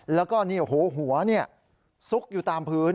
แล้วก็หัวซุกอยู่ตามพื้น